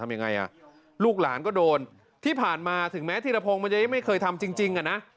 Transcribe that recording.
ยังไงอ่ะลูกหลานก็โดนที่ผ่านมาถึงแม้ธีรพงศ์มันจะไม่เคยทำจริงอ่ะนะ